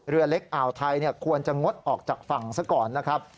เรือเล็กอ่าวไทยควรจะงดออกจากฝั่งซะก่อนนะครับ